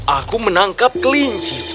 aku menangkap kelinci